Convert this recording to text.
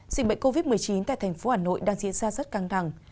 dịch bệnh covid một mươi chín tại thành phố hà nội đang diễn ra rất căng thẳng